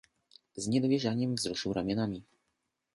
"Z niedowierzaniem wzruszył ramionami."